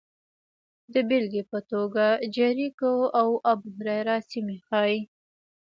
د بېلګې په توګه جریکو او ابوهریره سیمې ښيي